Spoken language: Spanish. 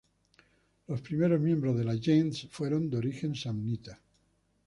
Los primeros miembros de la "gens" fueron de origen samnita.